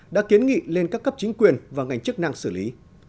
đã kiến nghị lên các cấp chính quyền và ngành chức năng xử lý